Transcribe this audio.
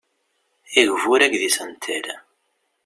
Agbur akked isental.